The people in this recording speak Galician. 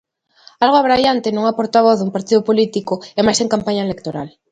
Algo abraiante nunha portavoz dun partido político e máis en campaña electoral.